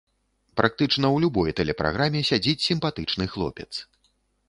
Практычна ў любой тэлепраграме сядзіць сімпатычны хлопец.